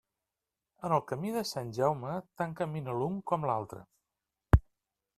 En el camí de Sant Jaume, tant camina l'un com l'altre.